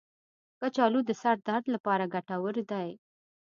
کچالو د سر درد لپاره ګټور دی.